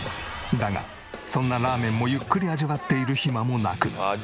だがそんなラーメンもゆっくり味わっている暇もなく。